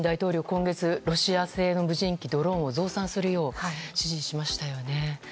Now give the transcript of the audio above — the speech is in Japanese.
今月、ロシア製の無人ドローンを増産するよう指示しましたよね。